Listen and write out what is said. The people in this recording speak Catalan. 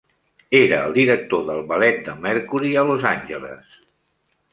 Era el director del Ballet de Mercury, a Los Angeles.